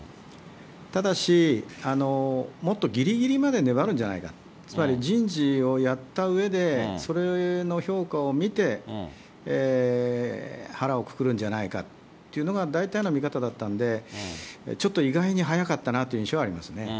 ただし、もっとぎりぎりまで粘るんじゃないか、つまり人事をやったうえで、それの評価を見て、腹をくくるんじゃないかっていうのが大体の見方だったんで、ちょっと意外に早かったなって印象はありますね。